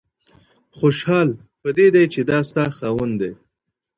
خوشحال په دې دى چي دا ستا خاوند دی